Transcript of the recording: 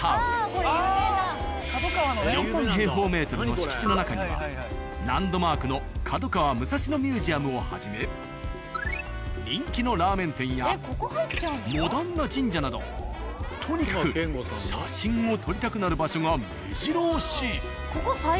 ４０、０００の敷地の中にはランドマークの角川武蔵野ミュージアムをはじめ人気のラーメン店やモダンな神社などとにかく写真を撮りたくなる場所がめじろ押し。